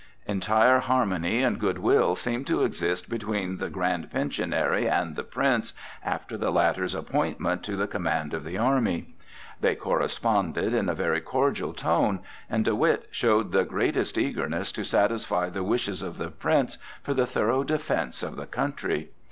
Entire harmony and good will seemed to exist between the Grand Pensionary and the Prince after the latter's appointment to the command of the army. They corresponded in a very cordial tone, and De Witt showed the greatest eagerness to satisfy the wishes of the Prince for the thorough defence of the country.